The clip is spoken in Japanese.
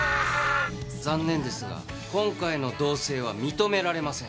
残念ですが今回の同棲は認められません。